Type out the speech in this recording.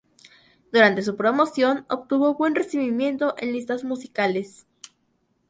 Durante su promoción obtuvo buen recibimiento en listas musicales.